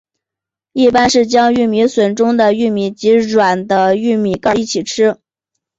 一般是将玉米笋中的玉米及软的玉米秆一起吃。